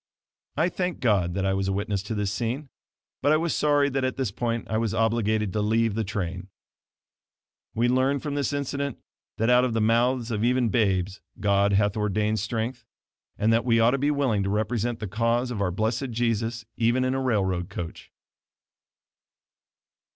I thank God that I was a witness to this scene, but I was sorry that at this point I was obliged to leave the train. We learn from this incident that out of the mouths of even babes God hath ordained strength, and that we ought to be willing to represent the cause of our blessed Jesus even in a railroad coach.